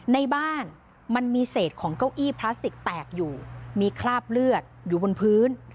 ในบ้านมันมีเศษของเก้าอี้พลาสติกแตกอยู่มีคราบเลือดอยู่บนพื้น